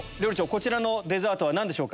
こちらのデザートは何でしょう？